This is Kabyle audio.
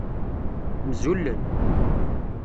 Mzulen.